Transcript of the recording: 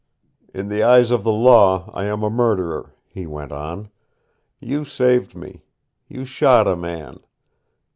"In the eyes of the law I am a murderer," he went on. "You saved me. You shot a man.